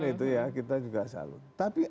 itu ya kita juga salut tapi